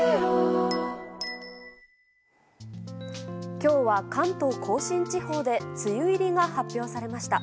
今日は関東・甲信地方で梅雨入りが発表されました。